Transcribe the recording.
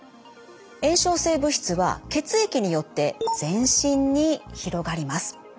炎症性物質は血液によって全身に広がります。